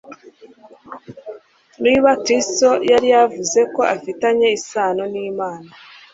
niba Kristo yari yavuzeko afitanye iyo sano n’Imana.